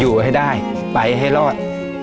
อยู่ให้ได้ไปให้รอด